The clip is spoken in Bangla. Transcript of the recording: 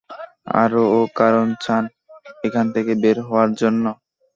আরোও কারণ চান এখান থেকে বের হওয়ার জন্য?